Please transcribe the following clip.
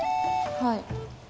はい。